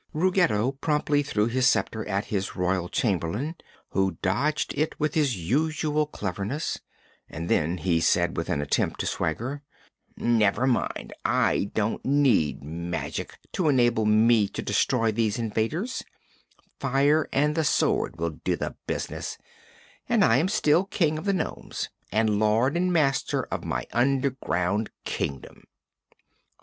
Ruggedo promptly threw his sceptre at his Royal Chamberlain, who dodged it with his usual cleverness, and then he said with an attempt to swagger: "Never mind; I don't need magic to enable me to destroy these invaders; fire and the sword will do the business and I am still King of the Nomes and lord and master of my Underground Kingdom!"